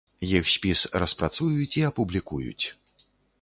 Іх спіс распрацуюць і апублікуюць.